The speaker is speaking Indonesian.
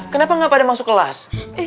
kenapa nggak pada masuk kelas